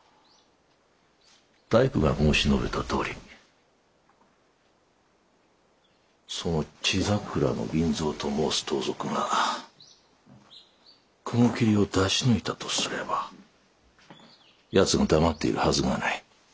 大工が申し述べたとおりその血桜の銀蔵と申す盗賊が雲霧を出し抜いたとすれば奴が黙っているはずがない。